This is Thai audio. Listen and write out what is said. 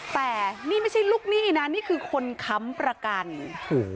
แต่นี่ไม่ใช่ลูกหนี้นะนี่คือคนค้ำประกันโอ้โห